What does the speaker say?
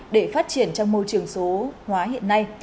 để phát triển trong môi trường số hóa hiện nay